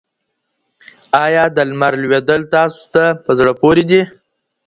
آیا د لمر لوېدل تاسو ته په زړه پوري دي؟